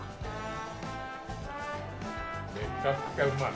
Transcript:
めちゃくちゃうまい。